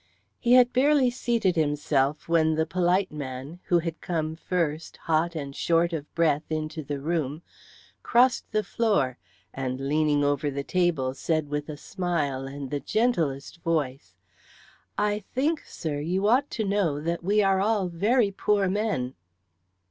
He had barely seated himself when the polite man, who had come first hot and short of breath into the room, crossed the floor and leaning over the table said with a smile and the gentlest voice, "I think, sir, you ought to know that we are all very poor men."